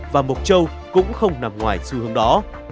và mộc châu cũng không nằm ngoài xu hướng đó